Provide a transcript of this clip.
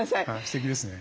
すてきですね。